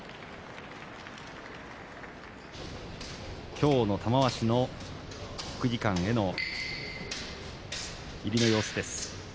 今日の玉鷲の国技館への入りの様子です。